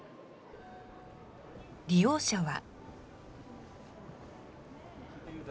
利用者は。